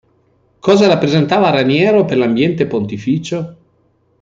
Cosa rappresentava Raniero per l'ambiente pontificio?